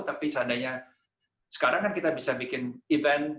tapi seandainya sekarang kan kita bisa bikin event